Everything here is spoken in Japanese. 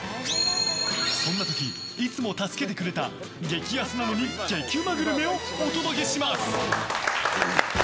そんな時、いつも助けてくれた激安なのに激うまグルメをお届けします！